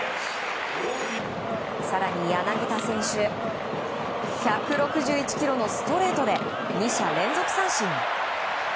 更に柳田選手１６１キロのストレートで２者連続三振。